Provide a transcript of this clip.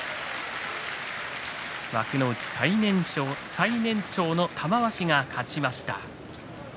幕内最年長の玉鷲が勝ちました。